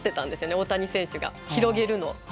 大谷選手が、広げるのを。